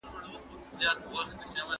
غوښه.